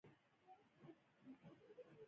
هیلۍ یوه ښکلې مرغۍ ده